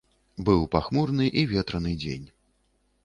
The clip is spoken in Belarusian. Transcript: Быў пахмурны і ветраны дзень.